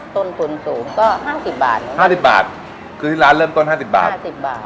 ต้นทุนสูงก็ห้าสิบบาทเนอะห้าสิบบาทคือที่ร้านเริ่มต้นห้าสิบบาทห้าสิบบาท